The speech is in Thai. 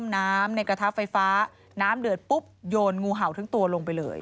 น้ำในกระทะไฟฟ้าน้ำเดือดปุ๊บโยนงูเห่าทั้งตัวลงไปเลย